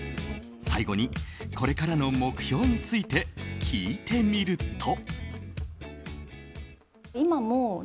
最後に、これからの目標について聞いてみると。